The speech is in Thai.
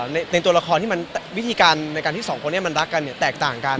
ในตัวละครวิธีการในการที่สองคนรักกันแตกต่างกัน